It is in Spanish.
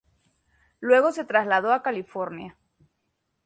Luego se trasladó a California.